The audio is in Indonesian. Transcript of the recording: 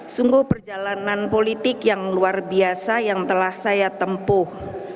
sungguh perjalanan politik yang luar biasa yang telah saya tempuh